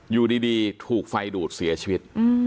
อยู่ดีถูกไฟดูดเสียชีวิต